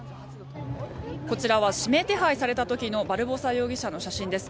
こちらは指名手配された時のバルボサ容疑者の写真です。